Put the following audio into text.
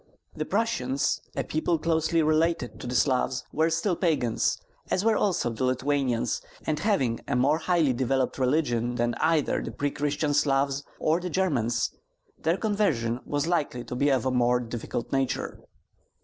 The Prussians, a people closely related to the Slavs, were still Pagans, as were also the Lithuanians; and having a more highly developed religion than either the pre Christian Slavs or the Germans, their conversion was likely to be of a more difficult nature.